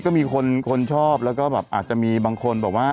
ก็มีคนชอบแล้วก็แบบอาจจะมีบางคนบอกว่า